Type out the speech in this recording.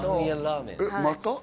また？